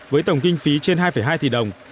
với tổng kinh phí trên hai hai tỷ đồng